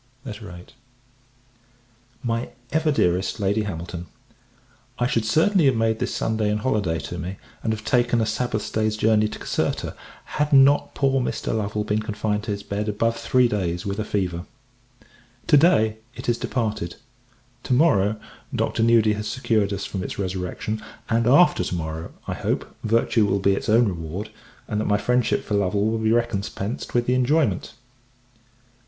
VIII. MY EVER DEAREST LADY HAMILTON, I should certainly have made this Sunday an holy day to me, and have taken a Sabbath day's journey to Caserta, had not poor Mr. Lovel been confined to his bed above three days with a fever. To day, it is departed; to morrow, Dr. Nudi has secured us from its resurrection; and, after to morrow, I hope, virtue will be its own reward, and that my friendship for Lovel will be recompensed with the enjoyment.